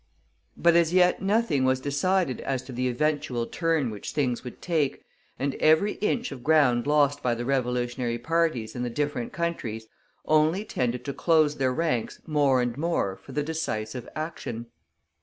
But as yet nothing was decided as to the eventual turn which things would take, and every inch of ground lost by the Revolutionary parties in the different countries only tended to close their ranks more and more for the decisive action.